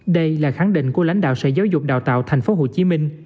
đây là khẳng định của lãnh đạo sở giáo dục đào tạo tp hcm